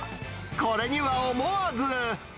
これには思わず。